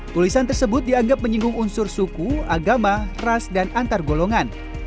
tulisan tersebut dianggap menyinggung unsur suku agama ras dan antar golongan